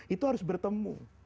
itu harus bertemu